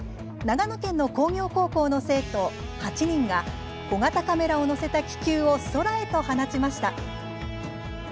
長野県の工業高校の生徒８人が小型カメラを載せた気球を空へと放ちました。